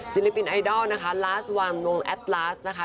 ลิปปินไอดอลนะคะลาสวามลงแอดลาสนะคะ